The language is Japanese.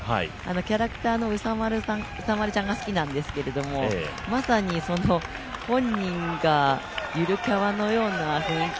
キャラクターのうさまるちゃんが好きなんですけれども、まさにその本人がゆるキャラのような雰囲気。